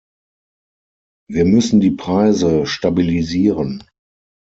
Wir müssen die Preise stabilisieren.